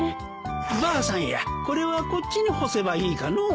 ばあさんやこれはこっちに干せばいいかのう。